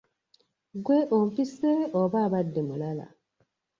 Ggwe ompise oba abadde mulala?